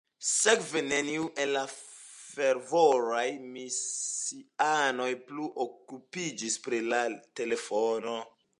Sekve neniu el la fervoraj misianoj plu okupiĝis pri la telefono.